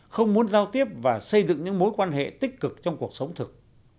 không muốn giao tiếp và xây dựng những mối quan hệ tích cực trong cuộc sống thực